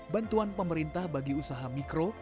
bantuan pemerintah bagi usaha mikro